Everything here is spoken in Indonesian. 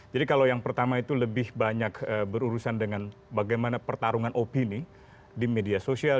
jadi kalau yang pertama itu lebih banyak berurusan dengan bagaimana pertarungan opini di media sosial